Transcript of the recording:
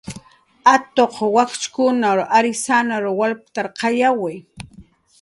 Atquq wakchkun arysann walptarqayawi.